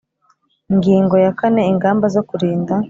Ingingo ya kane Ingamba zo kurinda